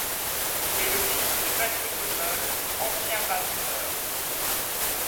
Il est le fils de Patrick Auzolle, ancien raseteur.